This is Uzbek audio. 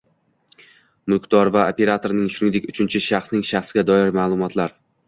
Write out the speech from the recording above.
Mulkdor va operatorning, shuningdek uchinchi shaxsning shaxsga doir ma’lumotlar